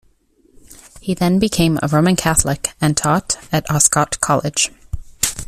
He then became a Roman Catholic and taught at Oscott College.